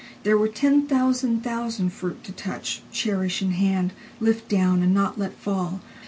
There were ten thousand thousand fruit to touch, Cherish in hand, lift down, and not let fall.